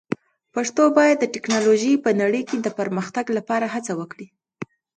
پښتو باید د ټکنالوژۍ په نړۍ کې د پرمختګ لپاره هڅه وکړي.